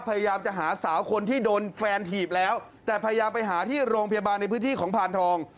พยายามจะหาสาวคนที่โดนแฟนถีบแล้วแต่พยายามไปหาที่โรงพยาบาลในพื้นที่ของพานทอง